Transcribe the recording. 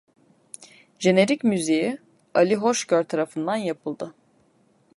Jenerik müziği Ali Hoşgör tarafından yapıldı.